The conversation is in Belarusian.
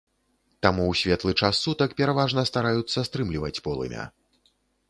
Таму ў светлы час сутак пераважна стараюцца стрымліваць полымя.